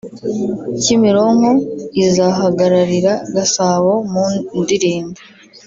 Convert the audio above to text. Kimironko izahagararira Gasabo mu ndirimbo